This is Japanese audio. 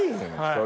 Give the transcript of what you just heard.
それ。